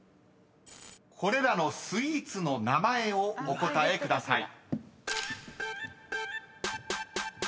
［これらのスイーツの名前をお答えください］